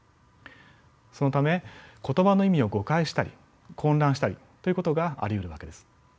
そのため言葉の意味を誤解したり混乱したりということがありうるわけです。